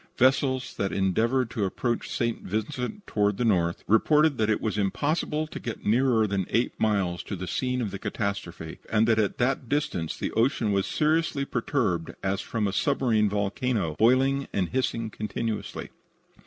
Vessels that endeavored to approach St. Vincent toward the north reported that it was impossible to get nearer than eight miles to the scene of the catastrophe, and that at that distance the ocean was seriously perturbed as from a submarine volcano, boiling and hissing continually.